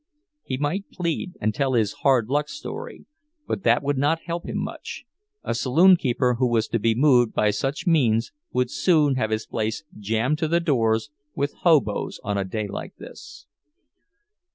He might plead and tell his "hard luck story," but that would not help him much; a saloon keeper who was to be moved by such means would soon have his place jammed to the doors with "hoboes" on a day like this.